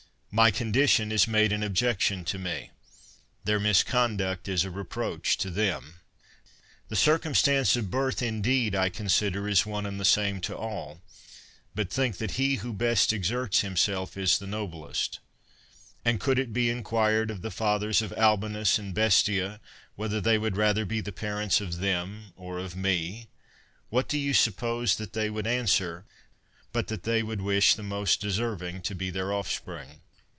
My condition is made an objection to me ; their mis conduct is a reproach to them. The circumstance of birth, indeed, I consider as one and the same to all, but think that he who best exerts himself is the noblest. And could it be inquired of the fathers of Albinus and Bestia, whether they would rather be the parents of them or of me, what do you suppose that they would answer, but that tiiey would wish the most deserving to be their offspring?